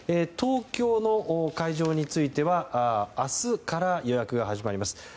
東京の会場については明日から予約が始まります。